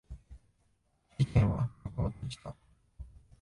事件は幕を閉じた。